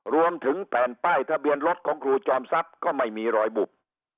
รวมถึงแผ่นป้ายทะเบียนรถของครูจอมทรัพย์ก็ไม่มีรอยบุบ